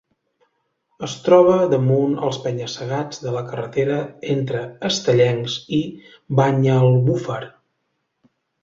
Es troba damunt els penya-segats de la carretera entre Estellencs i Banyalbufar.